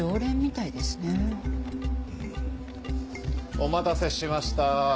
お待たせしました。